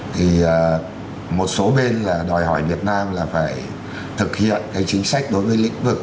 thì một số bên là đòi hỏi việt nam là phải thực hiện cái chính sách đối với lĩnh vực